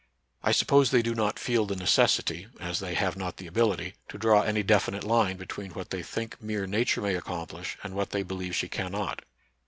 I suppose they do not feel the necessity, as they have not the ability, to draw any definite line between what they think mere Nature may accomplish, and what they believe she cannot.